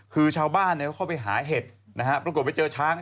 คือชาวบ้านเขาเข้าไปหาเห็ดนะฮะปรากฏไปเจอช้าง